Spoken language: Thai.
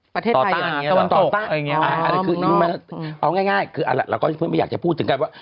ประเทศไทยตะวันตกเอาง่ายเราก็ไม่อยากจะพูดถึงกันว่า